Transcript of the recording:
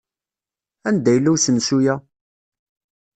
Anda yella usensu-a?